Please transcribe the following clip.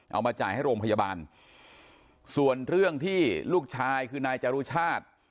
เอามาจ่ายให้โรงพยาบาลส่วนเรื่องที่ลูกชายคือนายจรุชาติ